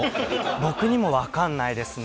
僕にも分かんないですね。